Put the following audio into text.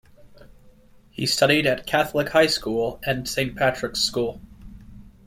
He studied at Catholic High School and Saint Patrick's School.